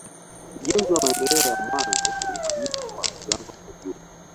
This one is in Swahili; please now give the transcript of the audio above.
Ujenzi wa maendeleo ya mwanzo ulifanyika kwa kiwango cha juu